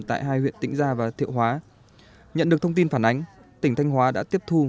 tại hai huyện tĩnh gia và thiệu hóa nhận được thông tin phản ánh tỉnh thanh hóa đã tiếp thu